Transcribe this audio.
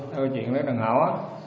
thôi chuyện đó đừng hỏi